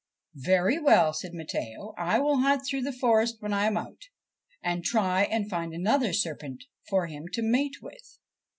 ' Very well,' said Matteo. ' I will hunt through the forest when I am out, and try and find another serpent for him to mate with.'